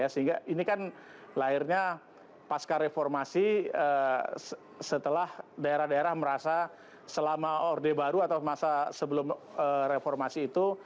sehingga ini kan lahirnya pasca reformasi setelah daerah daerah merasa selama orde baru atau masa sebelum reformasi itu